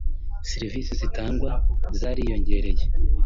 “ Serivisi zitangwa zariyongereye